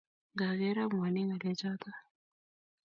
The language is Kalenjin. Ngakeer amwone ngalechoto